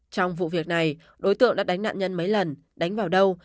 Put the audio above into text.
trong vụ việc này đối tượng đã đánh nạn nhân mấy lần đánh vào đâu